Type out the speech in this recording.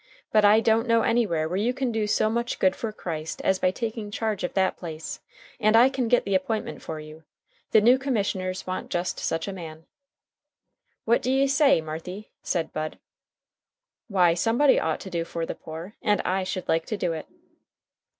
But I don't know anywhere where you can do so much good for Christ as by taking charge of that place, and I can get the appointment for you. The new commissioners want just such a man." "What d'ye say, Marthy?" said Bud. "Why, somebody ought to do for the poor, and I should like to do it."